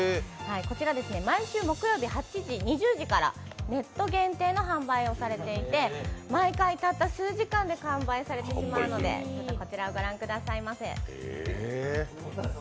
こちら毎週木曜日２０時からネット限定の販売をされていて毎回たった数時間が完売されてしまうので、こちらをご覧くださいませ。